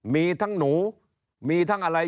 มีทั้งหนูมีทั้งอะไร